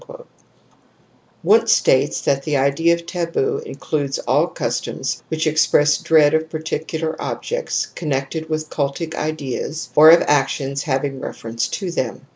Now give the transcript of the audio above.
Wundt states that the idea of taboo " includes all customs which express dread of particular objects connected with cultic ideas or of actions having reference to them "*.